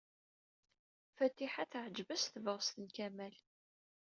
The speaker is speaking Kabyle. Fatiḥa teɛjeb-as tebɣest n Rabaḥ.